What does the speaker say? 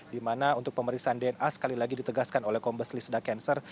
di mana untuk pemeriksaan dna sekali lagi ditegaskan oleh kombes lisda cancer